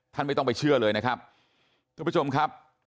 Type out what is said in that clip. ไม่ต้องไปเชื่อเลยนะครับทุกผู้ชมครับ